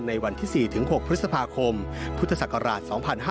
ในวันที่๔๖พฤษภาคมพุทธศักราช๒๕๕๙